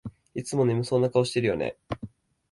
いつも眠そうな顔してるよね